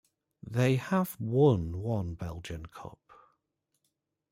They have won one Belgian Cup.